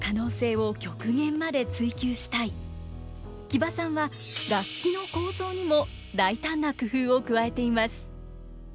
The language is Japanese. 木場さんは楽器の構造にも大胆な工夫を加えています。